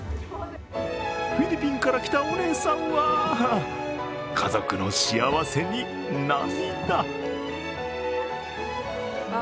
フィリピンから来たお姉さんは家族の幸せに涙。